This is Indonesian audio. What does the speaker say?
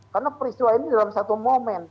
karena perisua ini dalam satu momen